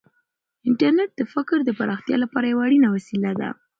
انټرنیټ د فکر د پراختیا لپاره یوه اړینه وسیله ده.